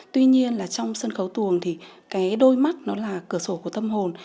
tuy nhiên là trong sân khấu tuồng thì cái đôi mắt nó là cửa sổ của tâm hồn